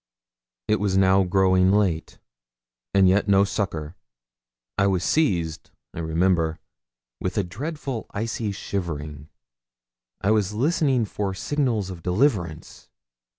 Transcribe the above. It was now growing late, and yet no succour! I was seized, I remember, with a dreadful icy shivering. I was listening for signals of deliverance.